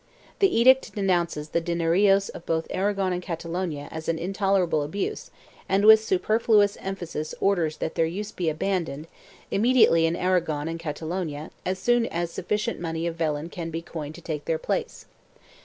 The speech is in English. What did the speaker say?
The edict denounces the dinerillos of both Aragon and Catalonia as an intolerable abuse and with superfluous emphasis orders their use to be abandoned, immediately in Aragon and in Catalonia as soon as sufficient money of vellon can be coined to take their place.